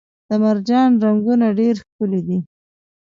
د مرجان رنګونه ډیر ښکلي دي